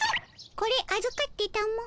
これあずかってたも。